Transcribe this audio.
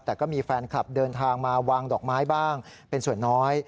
แต่ก็มีแฟนคลับเดินทางมาวางดอกไม้บ้างเป็นส่วนน้อย